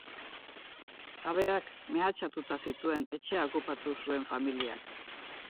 Jabeak mehatxatuta zituen etxea okupatu zuen familiak.